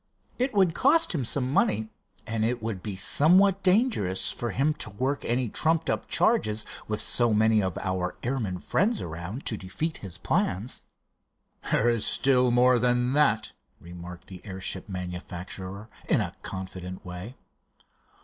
"It would cost him some money, and it would be somewhat dangerous for him to work any trumped up charge with so many of our airmen friends around to defeat his plans." "There is still more than that," remarked the airship manufacturer, in a confident way.